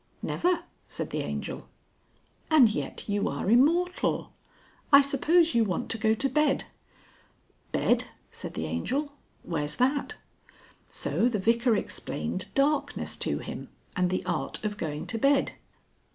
"Never," said the Angel. "And yet you are immortal! I suppose you want to go to bed." "Bed!" said the Angel. "Where's that?" So the Vicar explained darkness to him and the art of going to bed.